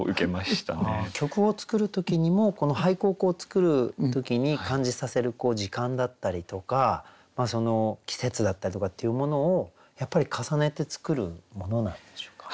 曲を作る時にも俳句を作る時に感じさせる時間だったりとか季節だったりとかっていうものをやっぱり重ねて作るものなんでしょうか？